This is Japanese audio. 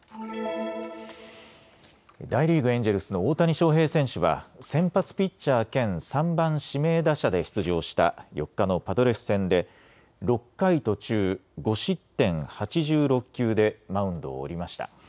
大リーグ、エンジェルスの大谷翔平選手は先発ピッチャー兼３番・指名打者で出場した４日のパドレス戦で６回途中５失点、８６球でマウンドを降りました。